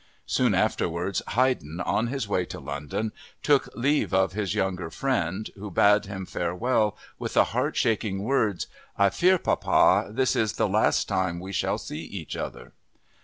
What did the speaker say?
Soon afterwards, Haydn on his way to London took leave of his younger friend who bade him farewell with the heart shaking words: "I fear, Papa, this is the last time we shall see each other!"